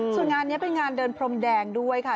ส่วนงานนี้เป็นงานเดินพรมแดงด้วยค่ะ